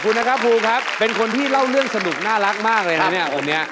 มคุณฟูเป็นคนที่เล่าเรื่องสนุกน่ารักมากเลยนะวันนี้